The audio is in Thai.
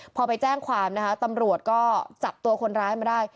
พอไปแจ้งความนะคะตำรวจก็จับตัวคนร้ายมาได้